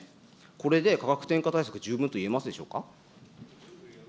これで価格転嫁対策、十分といえますでしょうか。